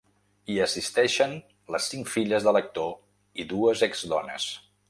Hi assisteixen les cinc filles de l’actor i dues ex-dones.